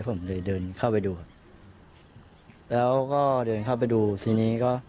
ผมเลยเดินเข้าไปดูครับแล้วก็เดินเข้าไปดูทีนี้ก็